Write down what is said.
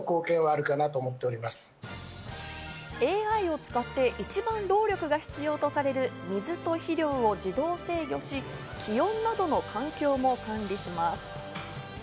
ＡＩを使って一番労力が必要とされる水と肥料を自動制御し、気温などの環境も管理します。